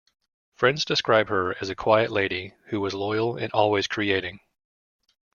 Friends describe her as a quiet lady who was loyal and always creating.